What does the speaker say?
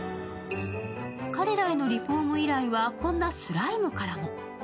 彼らへのリフォーム依頼はこんなスライムからも。